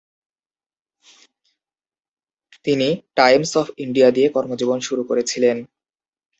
তিনি "Times of India" দিয়ে কর্মজীবন শুরু করেছিলেন।